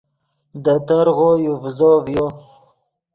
دے ترغو یو ڤیزو ڤیو